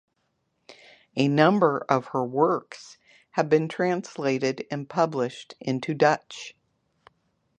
A number of her works have been translated and published into Dutch.